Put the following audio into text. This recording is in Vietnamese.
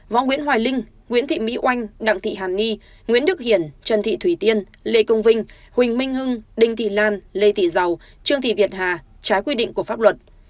mỹ oanh đặng thị hàn nhi nguyễn đức hiển trần thị thủy tiên lê công vinh huỳnh minh hưng đinh thị lan lê thị giàu trương thị việt hà trái quy định của pháp luật